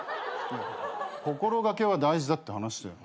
心がけは大事だって話だよ。